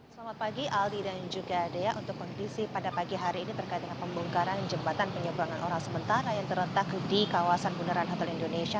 selamat pagi aldi dan juga dea untuk kondisi pada pagi hari ini terkait dengan pembongkaran jembatan penyeberangan orang sementara yang terletak di kawasan bundaran hotel indonesia